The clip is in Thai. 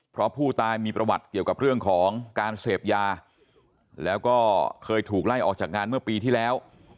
เพราะผู้ตายมีประวัติเกี่ยวกับเรื่องของการเสพยาแล้วก็เคยถูกไล่ออกจากงานเมื่อปีที่แล้ว